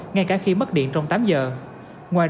ngay cả khi mất điện trong tám giờ